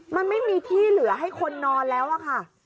มันไม่มีที่เหลือให้คนนอนแล้วอะค่ะ